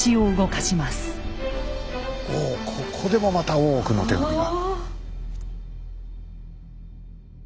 おここでもまた大奧の手紙が。